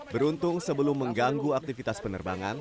beruntung sebelum mengganggu aktivitas penerbangan